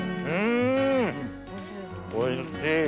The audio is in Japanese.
んおいしい。